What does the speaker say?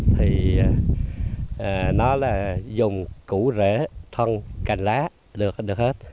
thì nó là dùng củ rễ thân cành lá được hết